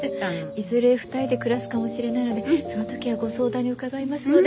いずれ２人で暮らすかもしれないのでその時はご相談に伺いますので。